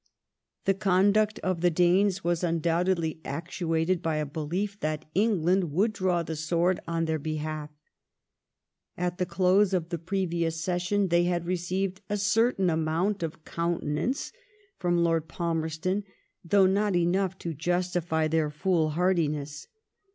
The conduct of the Danes was undoubtedly actuated by a belief that England would draw the sword on their behalf. And at theljlose of the previous Session they had received a certain amount of countenance from Lord Palmerston, though not enough to justify their foolhardiness.